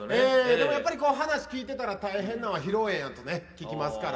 でもやっぱり話聞いてたら、大変なんは披露宴やと聞きますから。